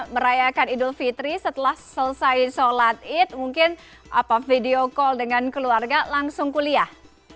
merayakan idul fitri setelah selesai sholat id mungkin video call dengan keluarga langsung kuliah